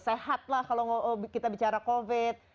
sehat kalau kita bicara covid sembilan belas